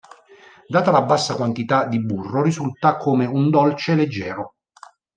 Data la bassa quantità di burro risulta come un dolce leggero.